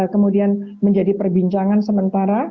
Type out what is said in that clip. kemudian menjadi perbincangan sementara